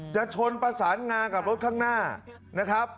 จะชนประสานงากับรถข้างหน้า